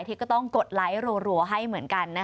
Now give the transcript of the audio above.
ที่ก็ต้องกดไลค์รัวให้เหมือนกัน